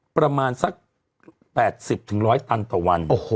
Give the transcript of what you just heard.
ประมาณสัก๘๐๑๐๐ตันต่อวัน